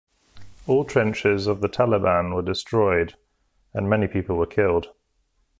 All trenches of the Taliban were destroyed, and many people were killed.